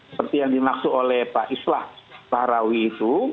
seperti yang dimaksud oleh pak islah bahrawi itu